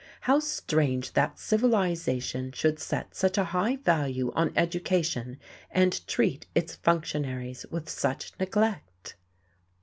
How strange that civilization should set such a high value on education and treat its functionaries with such neglect!